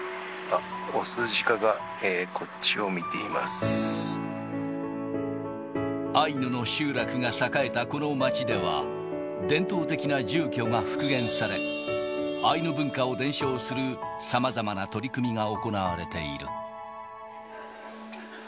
あっ、アイヌの集落が栄えたこの町では、伝統的な住居が復元され、アイヌ文化を伝承する、さまざまな取り組みが行われている。